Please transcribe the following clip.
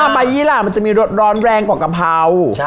อ๋อใบยี่รามีรสร้อนแรงมากกว่ากะเพรา